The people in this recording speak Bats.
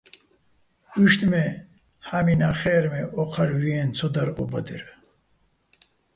უჲშტ მე, ჰ̦ა́მინაჸ ხეჸერ, მე ოჴარ ვიენო̆ ცო დარ ო ბადერ.